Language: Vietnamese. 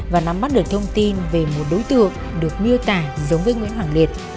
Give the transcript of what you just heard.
và nắm mắt được thông tin về một đối tượng được miêu tả giống với nguyễn hoàng liệt